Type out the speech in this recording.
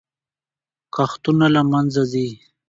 کښتونه له منځه ځي.